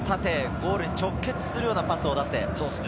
ゴールに直結するようなパスを出せ。